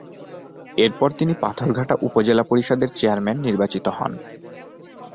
এরপর তিনি পাথরঘাটা উপজেলা পরিষদের চেয়ারম্যান নির্বাচিত হন।